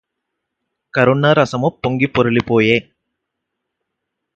కరుణరసము పొంగి పొరలిపోయె